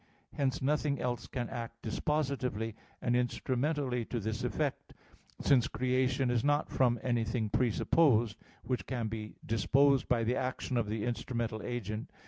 Hence nothing else can act dispositively and instrumentally to this effect, since creation is not from anything presupposed, which can be disposed by the action of the instrumental agent.